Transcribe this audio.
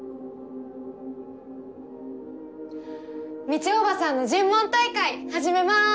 美智叔母さんの尋問大会始めます！